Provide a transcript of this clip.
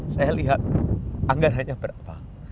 saya lihat anggarannya berapa